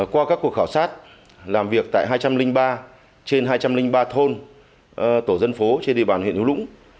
qua các cuộc khảo sát làm việc tại hai trăm linh ba trên hai trăm linh ba thôn tổ dân phố trên địa bàn huyện hữu lũng